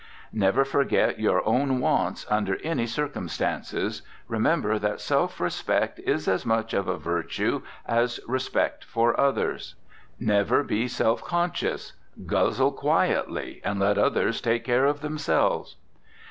Never forget your own wants under any circumstances. Remember that self respect is as much of a virtue as respect for others. Never be self conscious. Guzzle quietly, and let others take care of themselves.